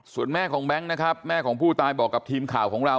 ส่วนแม่ของแบงค์นะครับแม่ของผู้ตายบอกกับทีมข่าวของเรา